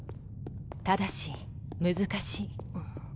ただし難しい。